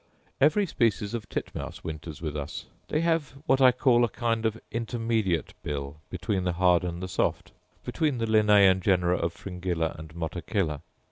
Every species of titmouse winters with us; they have what I call a kind of intermediate bill between the hard and the soft, between the Linnaean genera of fringilla and motacilla.